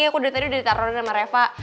aku udah tadi ditaruhin sama reva